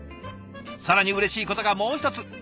更にうれしいことがもう一つ。